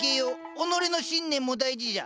己の信念も大事じゃ。